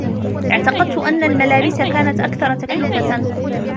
اعتقدت أن الملابس كانت أكثر تكلفة.